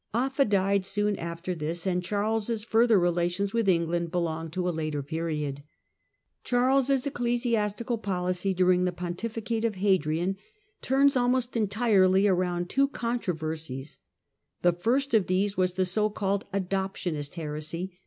Offa died soon after this, and Charles' further relations with England belong to a later period. Charles' ecclesiastical policy, during the pontificate of Ecciesiasti Hadrian, turns almost entirely around two controversies. cal affairs The first of these was the so called Adoptionist heresy.